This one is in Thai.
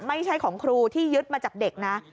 ไม่ใช่ของครูที่ยึดมาจากเด็กนะ